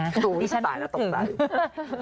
สูงที่ตายแล้วตกใจฮึฮึฮึฮึฮึฮึฮึฮึฮึฮึฮึ